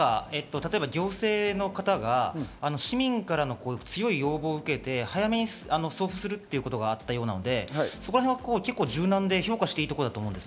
例えば行政の方が市民からの強い要望を受けて、早めに送付するということがあったようなので、そこらへんは柔軟に評価していいところだと思います。